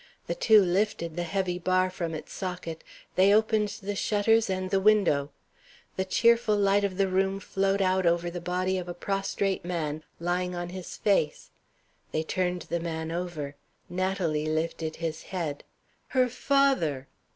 The two lifted the heavy bar from its socket; they opened the shutters and the window. The cheerful light of the room flowed out over the body of a prostrate man, lying on his face. They turned the man over. Natalie lifted his head. Her father!